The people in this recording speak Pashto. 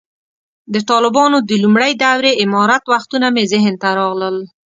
د طالبانو د لومړۍ دورې امارت وختونه مې ذهن ته راغلل.